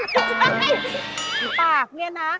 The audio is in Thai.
ปากเนี่ยนะ